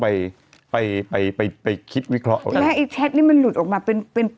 ไปไปไปไปคิดวิเคราะห์แล้วไอ้แชทนี้มันหลุดออกมาเป็นเป็น